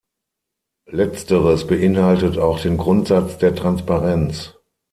Letzteres beinhaltet auch den Grundsatz der Transparenz.